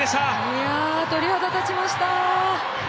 いやあ、鳥肌たちました。